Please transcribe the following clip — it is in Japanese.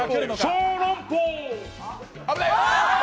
小籠包！